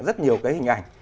rất nhiều cái hình ảnh